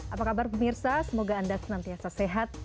apa kabar pemirsa semoga anda senantiasa sehat